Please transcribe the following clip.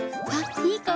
いい香り。